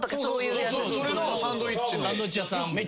それのサンドイッチの。